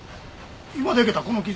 今でけたこの傷？